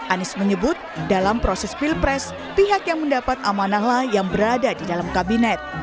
anies menyebut dalam proses pilpres pihak yang mendapat amanahlah yang berada di dalam kabinet